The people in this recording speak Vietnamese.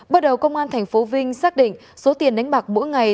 bắt đầu công an tp vinh xác định số tiền đánh bạc mỗi ngày